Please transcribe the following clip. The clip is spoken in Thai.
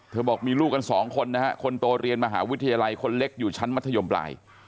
บอกมีลูกกันสองคนนะฮะคนโตเรียนมหาวิทยาลัยคนเล็กอยู่ชั้นมัธยมปลาย